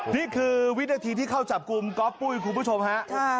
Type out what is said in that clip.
นี่คือวินาทีที่เข้าจับกลุ่มก๊อปปุ้ยคุณผู้ชมฮะ